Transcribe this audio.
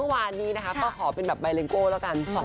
วันนี้นะคะก็ขอเป็นแบบมายเรนโก้แล้วกัน๒ภาษา